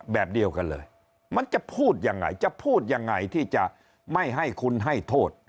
แบบเดียวกันเลยมันจะพูดยังไงจะพูดยังไงที่จะไม่ให้คุณให้โทษ